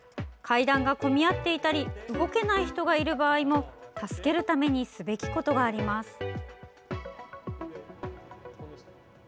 階段が混み合っていたり動けない人がいる場合も助けるためにすべきことがあります。